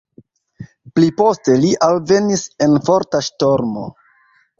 Pliposte li alvenis en forta ŝtormo.